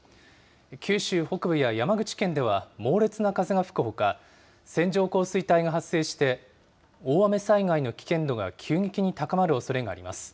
九州北部や山口県では猛烈な風が吹くほか、線状降水帯が発生して、大雨災害の危険度が急激に高まるおそれがあります。